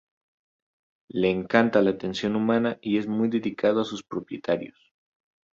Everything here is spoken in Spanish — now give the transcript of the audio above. Le encanta la atención humana y es muy dedicado a sus propietarios.